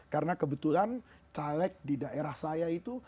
karena kebetulan caleg di daerah saya itu